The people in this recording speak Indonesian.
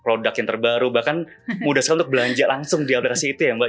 produk yang terbaru bahkan mudah sekali untuk belanja langsung di aplikasi itu ya mbak